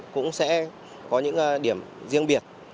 cũng sẽ có những điểm riêng biệt